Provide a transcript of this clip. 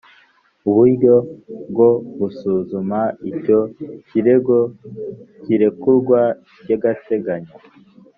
uburyo bwo busuzuma icyo kirego cy irekurwa ry agateganyo